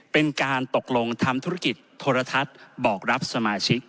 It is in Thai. เป็นการตกลงทำธุรกิจโทรทัศน์บอกรับสมาชิก